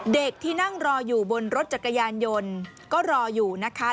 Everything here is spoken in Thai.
เด็กที่นั่งรออยู่บนรถจักรยานยนต์ก็รออยู่นะคะ